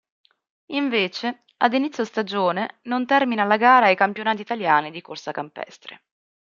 Invece ad inizio stagione non termina la gara ai campionati italiani di corsa campestre.